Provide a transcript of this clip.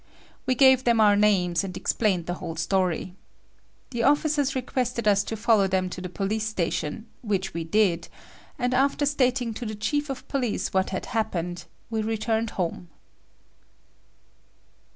We gave them our names and explained the whole story. The officers requested us to follow them to the police station which we did, and after stating to the chief of police what had happened, we returned home.